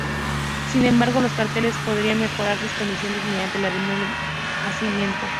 Sin embargo, las cárceles podrían mejorar sus condiciones mediante la reducción del hacinamiento.